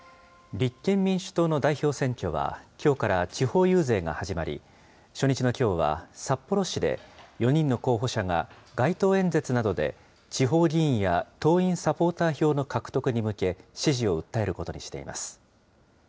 立憲民主党の代表選挙は、きょうから地方遊説が始まり、初日のきょうは札幌市で、４人の候補者が街頭演説などで地方議員や党員・サポーター票の獲得に向け、支持を訴えることにしています。